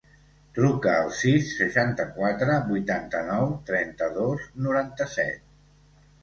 Truca al sis, seixanta-quatre, vuitanta-nou, trenta-dos, noranta-set.